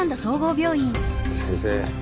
先生！